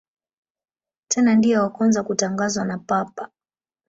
Tena ndiye wa kwanza kutangazwa na Papa.